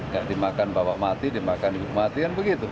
ya dimakan bapak mati dimakan ibu mati kan begitu